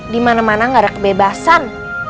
dimana mana gak ada kebebasan